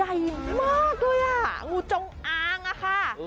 ใหญ่มากด้วยอ่ะงูจงอางอะค่ะ